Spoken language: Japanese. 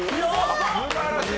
すばらしい。